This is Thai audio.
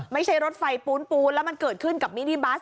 ไม่ใช่รถไฟปูนปูนแล้วมันเกิดขึ้นกับมินิบัส